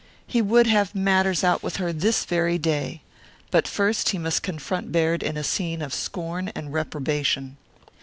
He would have matters out with her this very day. But first he must confront Baird in a scene of scorn and reprobation.